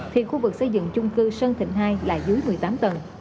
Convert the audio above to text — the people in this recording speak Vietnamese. thì khu vực xây dựng chung cư sơn thịnh hai là dưới một mươi tám tầng